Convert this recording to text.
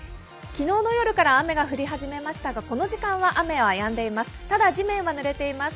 昨日の夜から雨が降り始めましたが、この時間は雨はやんでいます。